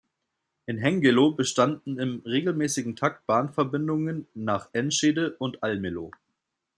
In Hengelo bestanden in regelmäßigem Takt Bahnverbindungen nach Enschede und Almelo.